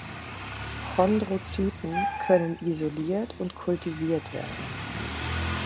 Chondrozyten können isoliert und kultiviert werden.